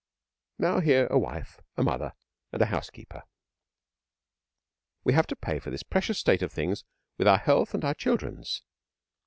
Now hear a wife, a mother, and a housekeeper. 'We have to pay for this precious state of things with our health and our children's.